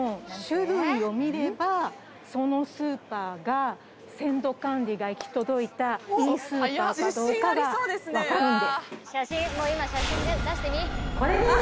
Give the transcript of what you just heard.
そのスーパーが鮮度管理が行き届いたいいスーパーかどうかが分かるんです。